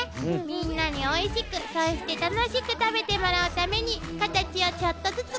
みんなにおいしくそして楽しく食べてもらうためにカタチをちょっとずつ変えて支えているのよ。